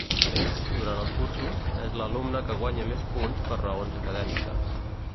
A més, durant els cursos, és l'alumna que guanya més punts per raons acadèmiques.